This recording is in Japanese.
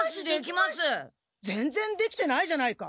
ぜんぜんできてないじゃないか。